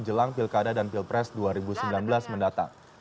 jelang pilkada dan pilpres dua ribu sembilan belas mendatang